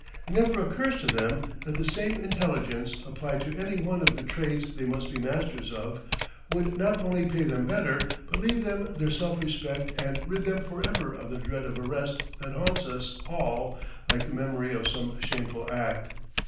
It never occurs to them that the same intelligence, applied to any one of the trades they must be masters of, would not only pay them better, but leave them their self respect and rid them forever of the dread of arrest that haunts us all like the memory of some shameful act....